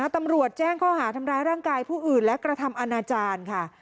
ตำรวจแจ้งข้อหาทำร้ายร่างกายผู้อื่นและกระทำอนาจารย์ค่ะ